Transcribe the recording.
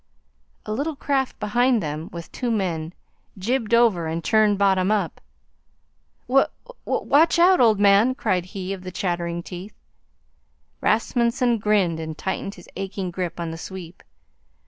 A little craft behind them, with two men, jibed over and turned bottom up. "W w watch out, old man," cried he of the chattering teeth. Rasmunsen grinned and tightened his aching grip on the sweep.